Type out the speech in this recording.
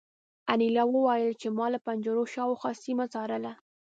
انیلا وویل چې ما له پنجرو شاوخوا سیمه څارله